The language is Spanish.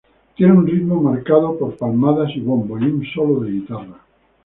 Tiene un ritmo marcado por palmadas y bombo, y un solo de guitarra.